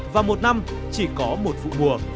và một năm chỉ có một vụ mùa